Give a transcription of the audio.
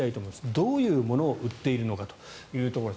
どういうものを売っているのかというところです。